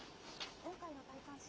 今回の戴冠式